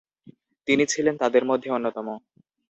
তিনি ছিলেন তাদের মধ্যে অন্যতম।